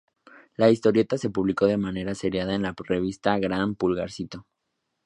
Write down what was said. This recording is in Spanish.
La historieta se publicó de manera seriada en la revista "Gran Pulgarcito".